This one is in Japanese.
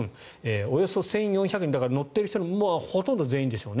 およそ１４００人乗っている人のほとんど全員でしょうね